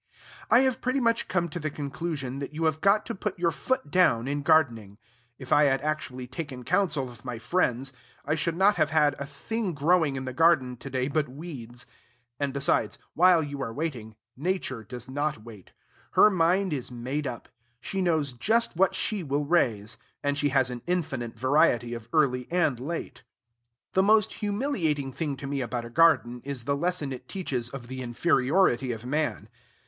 I have pretty much come to the conclusion that you have got to put your foot down in gardening. If I had actually taken counsel of my friends, I should not have had a thing growing in the garden to day but weeds. And besides, while you are waiting, Nature does not wait. Her mind is made up. She knows just what she will raise; and she has an infinite variety of early and late. The most humiliating thing to me about a garden is the lesson it teaches of the inferiority of man.